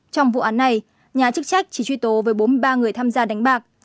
trong vụ án này nhà chức trách chỉ truy tố với bốn mươi ba người tham gia đánh bạc